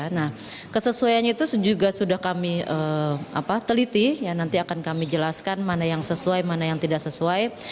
nah kesesuaian itu juga sudah kami teliti nanti akan kami jelaskan mana yang sesuai mana yang tidak sesuai